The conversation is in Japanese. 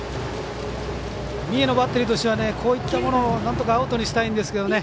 三重のバッテリーとしてはこういったものをなんとかアウトにしたいんですけどね。